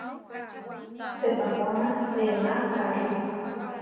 Teʼpapóna ená harí.